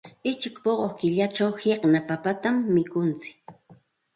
Uchik puquy killachaq qiqna papatam mikuntsik.